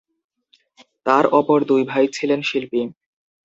তাঁর অপর দুই ভাই ছিলেন শিল্পী।